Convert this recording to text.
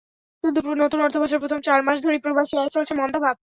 কিন্তু নতুন অর্থবছরের প্রথম চার মাস ধরেই প্রবাসী আয়ে চলছে মন্দাভাব।